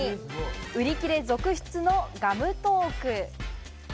売り切れ続出のガムトーク。